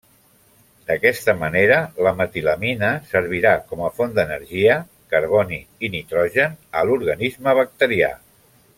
D’aquesta manera, la metilamina servirà com a font d’energia, carboni i nitrogen a l'organisme bacterià.